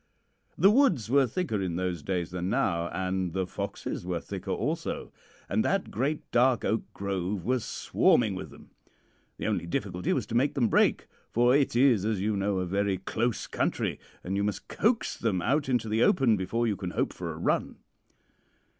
The woods were thicker in those days than now, and the foxes were thicker also, and that great dark oak grove was swarming with them. The only difficulty was to make them break, for it is, as you know, a very close country, and you must coax them out into the open before you can hope for a run.